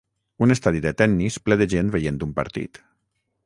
Un estadi de tennis ple de gent veient un partit.